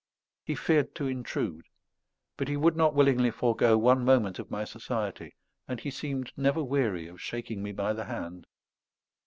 He feared to intrude, but he would not willingly forego one moment of my society; and he seemed never weary of shaking me by the hand.